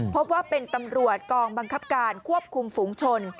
พบว่าเป็นตำรวจกองบังคับการควบคุมฝูงชน